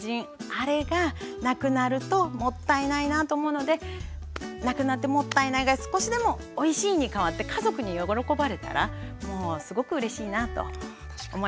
あれがなくなるともったいないなと思うのでなくなってもったいないが少しでもおいしいに変わって家族に喜ばれたらもうすごくうれしいなと思いますね。